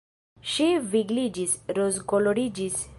Ŝi vigliĝis, rozkoloriĝis.